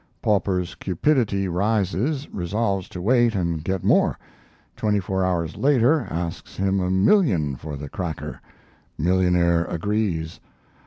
Pauper's cupidity rises, resolves to wait and get more; twenty four hours later asks him a million for the cracker. Millionaire agrees.